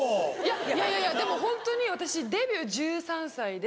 いやいやいやでもホントに私デビュー１３歳で。